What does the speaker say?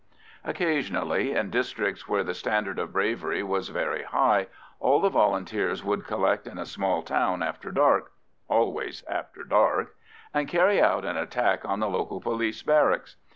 Occasionally, in districts where the standard of bravery was very high, all the Volunteers would collect in a small town after dark—always after dark—and carry out an attack on the local police barracks.